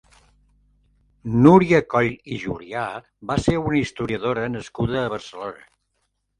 Núria Coll i Julià va ser una historiadora nascuda a Barcelona.